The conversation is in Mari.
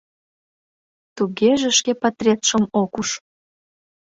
Тугеже шке патретшым ок уж.